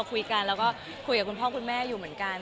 คุยกันแล้วก็คุยกับคุณพ่อคุณแม่อยู่เหมือนกัน